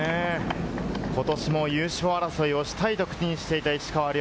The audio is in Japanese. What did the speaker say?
ことしも優勝争いをしたいと言っていた石川遼。